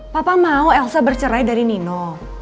papa mau elsa bercerai dari nino